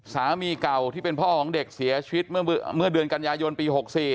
สามีเก่าที่เป็นพ่อของเด็กเสียชีวิตเมื่อเดือนกันยายนปี๖๔